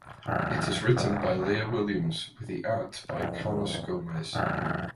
It is written by Leah Williams with art by Carlos Gomez.